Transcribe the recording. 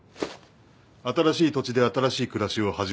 新しい土地で新しい暮らしを始める資金だ。